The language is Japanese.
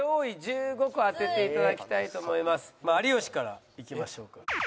有吉からいきましょうか。